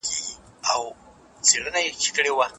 موږ څلور واړه